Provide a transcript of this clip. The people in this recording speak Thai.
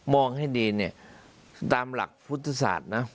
ให้ดีเนี่ยตามหลักพุทธศาสตร์นะ